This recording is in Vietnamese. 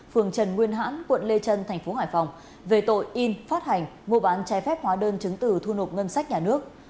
phường trần nguyên hãn quận lê trân thành phố hải phòng về tội in phát hành mua bán trái phép hóa đơn chứng từ thu nộp ngân sách nhà nước